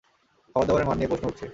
খাবারদাবারের মান নিয়ে প্রশ্ন উঠছে!